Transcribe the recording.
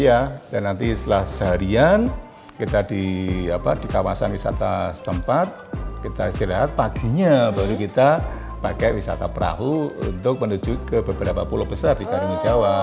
iya dan nanti setelah seharian kita di kawasan wisata setempat kita istirahat paginya baru kita pakai wisata perahu untuk menuju ke beberapa pulau besar di karimun jawa